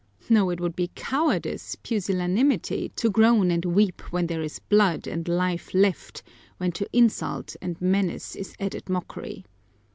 No, it would be cowardice, pusillanimity, to groan and weep when there is blood and life left, when to insult and menace is added mockery.